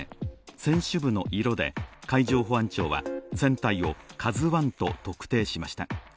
船首部の色で海上保安庁は船体を「ＫＡＺＵⅠ」と特定しました。